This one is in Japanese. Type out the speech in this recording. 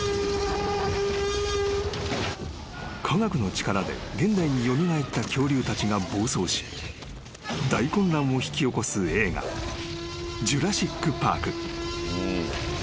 ［科学の力で現代に蘇った恐竜たちが暴走し大混乱を引き起こす映画『ジュラシック・パーク』］